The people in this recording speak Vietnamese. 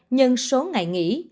nhân số ngày nghỉ